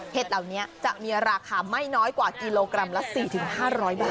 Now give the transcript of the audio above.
เหล่านี้จะมีราคาไม่น้อยกว่ากิโลกรัมละ๔๕๐๐บาท